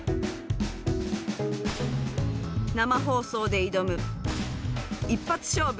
生放送で挑む、一発勝負。